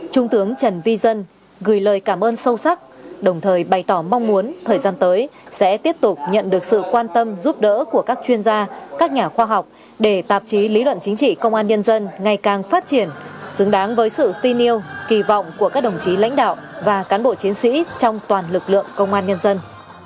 trung tướng trần vi dân gửi lời cảm ơn sâu sắc đồng thời bày tỏ mong muốn thời gian tới sẽ tiếp tục nhận được sự quan tâm giúp đỡ của các chuyên gia các nhà khoa học để tạp chí lý luận chính trị công an nhân dân ngày càng phát triển dứng đáng với sự tin yêu kỳ vọng của các đồng chí lãnh đạo và cán bộ chiến sĩ trong toàn lực lượng công an nhân dân